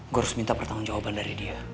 gue harus minta pertanggungjawaban dari dia